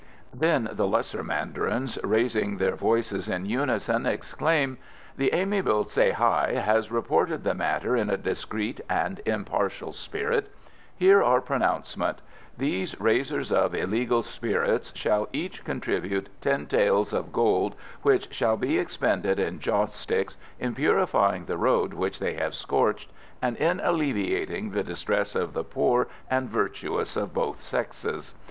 Then the lesser mandarins, raising their voices in unison, exclaim, "The amiable Tsay hi has reported the matter in a discreet and impartial spirit. Hear our pronouncement: These raisers of illegal spirits shall each contribute ten taels of gold, which shall be expended in joss sticks, in purifying the road which they have scorched, and in alleviating the distress of the poor and virtuous of both sexes.